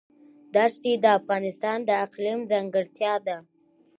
دښتې د افغانستان د اقلیم ځانګړتیا ده.